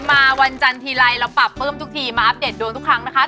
มาวันจันทีไลน์เราปรับเพิ่มทุกทีมาอัพเดทด้วงทุกครั้งนะคะ